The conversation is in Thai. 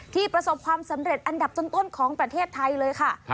ประสบความสำเร็จอันดับต้นของประเทศไทยเลยค่ะ